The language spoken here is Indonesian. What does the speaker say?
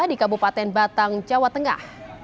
di kabupaten batang jawa tengah